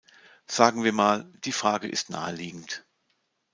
Sagen wir mal, die Frage ist naheliegend.